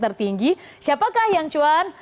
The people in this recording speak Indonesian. tertinggi siapakah yang cuan